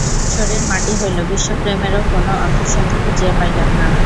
শরীর মাটি হইল, বিশ্বপ্রেমেরও কোনো অন্ধিসন্ধি খুঁজিয়া পাইলাম না।